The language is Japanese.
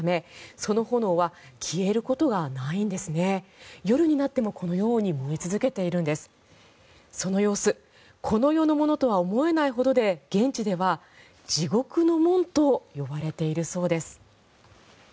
その様子、この世のものとは思えないほどで現地では地獄の門と呼ばれているそうです。